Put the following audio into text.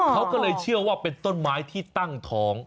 เขาก็เลยเชื่อว่าเป็นต้นไม้ที่ตั้งท้อง